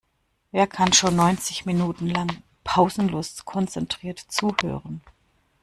Wer kann schon neunzig Minuten lang pausenlos konzentriert zuhören?